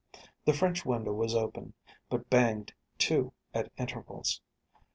The French window was open, but banged to at intervals.